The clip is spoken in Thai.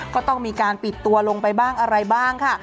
ก็ต้องมีการปิดตัวลงไปบ้างอะไรบ้างค่ะ